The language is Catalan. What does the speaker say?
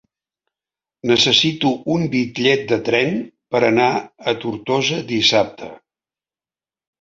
Necessito un bitllet de tren per anar a Tortosa dissabte.